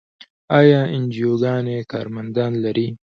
آیا انجیوګانې کارمندان لري؟